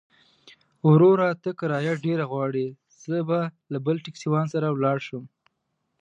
وروره! ته کرايه ډېره غواړې، زه به له بل ټکسيوان سره ولاړ شم.